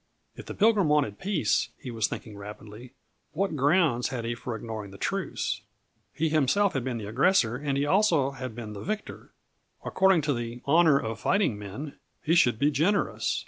If the Pilgrim wanted peace, he was thinking rapidly, what grounds had he for ignoring the truce? He himself had been the aggressor and he also had been the victor. According to the honor of fighting men, he should be generous.